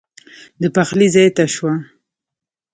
د پخلي ځای ته شوه.